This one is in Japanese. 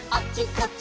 こっち！